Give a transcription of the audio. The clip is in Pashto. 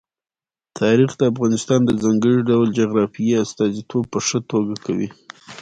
تاریخ د افغانستان د ځانګړي ډول جغرافیې استازیتوب په ښه توګه کوي.